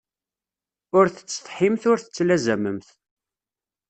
Ur tettsetḥimt ur tettlazamemt.